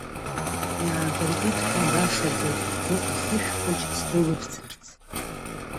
Иаабыртит ҳәа башаӡоуп, бгәы ахышә хәыҷ сдәылыбцарц.